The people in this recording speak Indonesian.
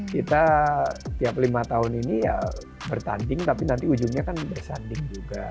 kita tiap lima tahun ini ya bertanding tapi nanti ujungnya kan bersanding juga